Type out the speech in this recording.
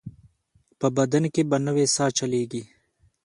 په بدن کې به نوې ساه چلېږي.